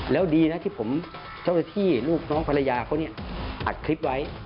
แล้วดีนะที่ผมเจ้าหน้าที่ลูกน้องภรรยาเขาเนี่ยอัดคลิปไว้